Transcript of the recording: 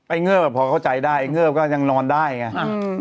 เงิบพอเข้าใจได้ไอ้เงิบก็ยังนอนได้ไง